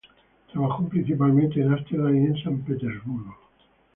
Trabajó principalmente en Ámsterdam y San Petersburgo.